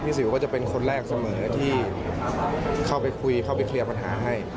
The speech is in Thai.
สิวก็จะเป็นคนแรกเสมอที่เข้าไปคุยเข้าไปเคลียร์ปัญหาให้